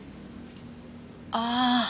ああ。